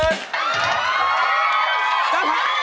เย้